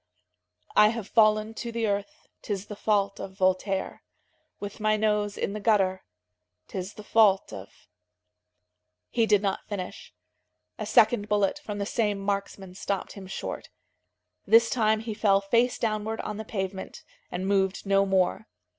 " "I have fallen to the earth, 'Tis the fault of Voltaire; With my nose in the gutter, 'Tis the fault of ..." He did not finish. A second bullet from the same marksman stopped him short. This time he fell face downward on the pavement, and moved no more.